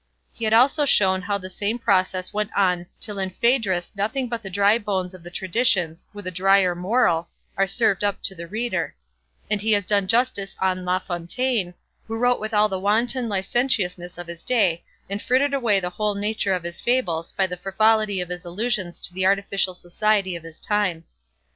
He had also shown how the same process went on till in Phaedrus nothing but the dry bones of the traditions, with a drier moral, are served up to the reader; and he has done justice on La Fontaine, who wrote with all the wanton licentiousness of his day, and frittered away the whole nature of his fables by the frivolity of his allusions to the artificial society of his time.